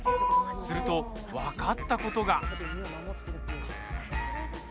すると、分かったことが。